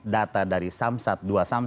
data dari dua samsat